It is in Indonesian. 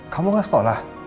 kamu gak sekolah